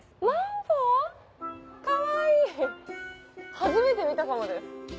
初めて見たかもです。